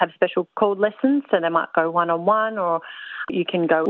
di pool berenang di komunitas lokal